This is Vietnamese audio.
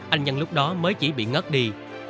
anh nhân lúc đó mới chỉ bị ngất đi